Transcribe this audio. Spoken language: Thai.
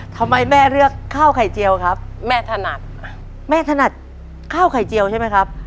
ทำไมแม่เลือกข้าวไข่เจียวครับแม่ถนัดแม่ถนัดข้าวไข่เจียวใช่ไหมครับ